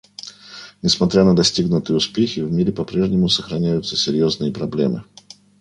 Несмотря на достигнутые успехи, в мире по-прежнему сохраняются серьезные проблемы.